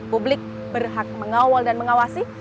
publik berhak mengawal dan mengawasi